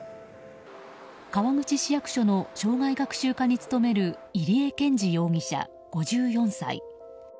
川口市役所の生涯学習課に勤める入江憲治容疑者、５４歳。